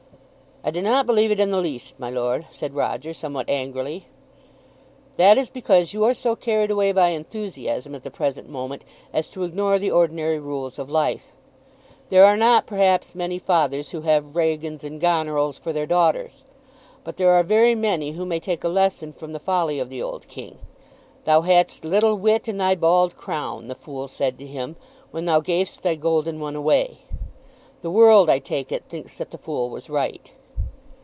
"I do not believe it in the least, my lord," said Roger somewhat angrily. "That is because you are so carried away by enthusiasm at the present moment as to ignore the ordinary rules of life. There are not, perhaps, many fathers who have Regans and Gonerils for their daughters; but there are very many who may take a lesson from the folly of the old king. 'Thou hadst little wit in thy bald crown,' the fool said to him, 'when thou gav'st thy golden one away.' The world, I take it, thinks that the fool was right."